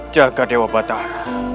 jaga dewa batara